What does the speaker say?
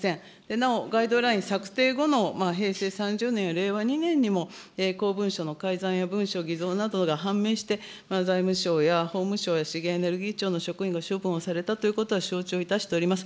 なお、ガイドライン策定後の平成３０年、令和２年にも公文書の改ざんや文書偽造などが判明して、財務省や法務省や資源エネルギー庁の職員が処分をされたということは承知をしております。